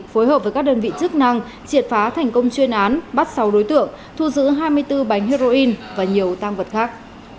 phối hợp với các đơn vị chức năng triệt phá thành công chuyên án bắt sáu đối tượng thu giữ hai mươi bốn bánh heroin và nhiều tăng vật khác